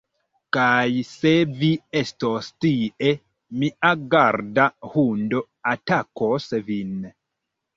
Kaj se vi estos tie, mia garda hundo atakos vin